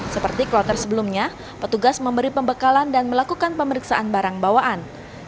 seperti kloter sebelumnya petugas memberi pembekalan dan melakukan pemeriksaan barang bawaan